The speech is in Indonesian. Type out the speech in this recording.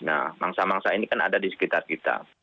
nah mangsa mangsa ini kan ada di sekitar kita